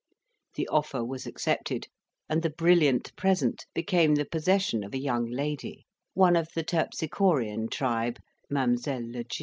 The offer was accepted, and the brilliant present became the possession of a young lady, one of the Terpsichorean tribe (Mademoiselle Le G.)